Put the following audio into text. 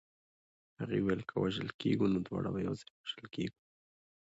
هغې ویل که وژل کېږو نو دواړه به یو ځای وژل کېږو